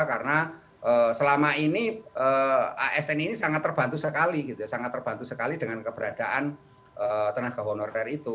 karena selama ini asn ini sangat terbantu sekali sangat terbantu sekali dengan keberadaan tenaga honorer itu